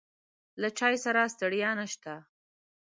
له چای سره ستړیا نشته.